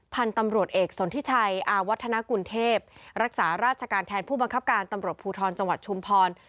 พันธุ์ตำรวจเอกสนทิชัยอาวัฒนากุลเทพรักษาราชการแทนผู้บังคับการตำรวจภูทรจังหวัดชุมพร